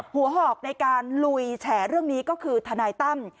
หอกในการลุยแฉเรื่องนี้ก็คือทนายตั้ม